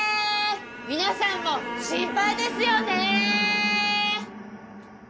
皆さんも心配ですよね！